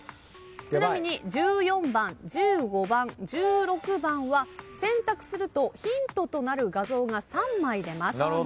ちなみに１４番１５番１６番は選択するとヒントとなる画像が３枚出ます。